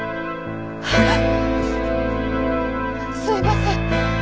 すみません。